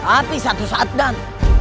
api satu saat ganteng